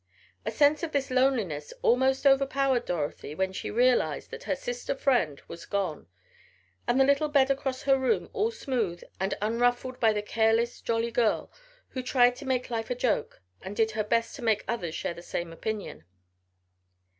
A sense of this loneliness almost overpowered Dorothy when she realized that her sister friend was gone and the little bed across her room all smooth and unruffled by the careless, jolly girl who tried to make life a joke and did her best to make others share the same opinion.